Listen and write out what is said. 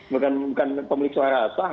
bukan pemilik suara salah